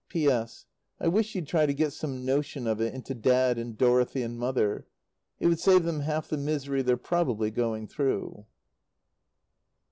P.S. I wish you'd try to get some notion of it into Dad and Dorothy and Mother. It would save them half the misery they're probably going through.